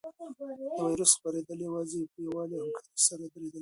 د وېروس خپرېدل یوازې په یووالي او همکارۍ سره درېدلی شي.